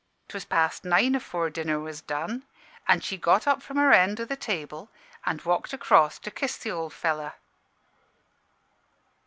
'Twas past nine afore dinner was done, an' she got up from her end o' the table an' walked across to kiss th' ould fellow.